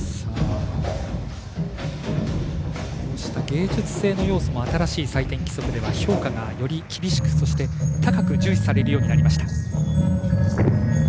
芸術性の要素も新しい採点基準では評価が、より厳しくそして、高く重視されるようになりました。